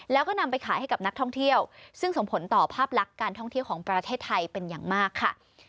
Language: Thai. แล้วก็นำไปขายให้กับนักท่องเที่ยวซึ่งส่งผลต่อภาพลักษณ์การท่องเที่ยวของประเทศไทยเป็นอย่างมากค่ะ